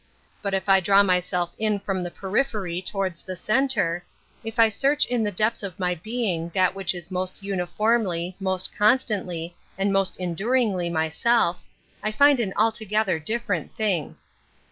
But if I draw myself in 1 from the periphery towards the centre, if I i search in the depth of my being that which is most uniformly, most constantly, and j most enduringly myself, I find an altogether different thing.